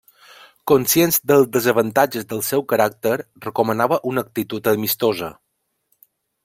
Conscient dels desavantatges del seu caràcter, recomanava una actitud amistosa.